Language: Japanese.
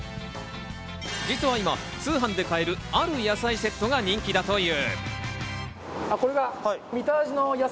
実は今、通販で買える、ある野菜セットが人気だという。